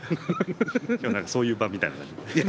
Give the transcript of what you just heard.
今日、なんかそういう場みたいな感じ。